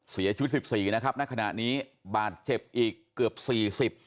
เสียชีวิตสิบสี่นะครับณขณะนี้บาดเจ็บอีกเกือบสี่สิบ